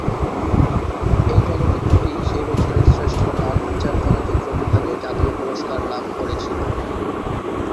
এই চলচ্চিত্রটি সেই বছরের শ্রেষ্ঠ নন-ফিচার চলচ্চিত্র বিভাগে জাতীয় পুরস্কার লাভ করেছিল।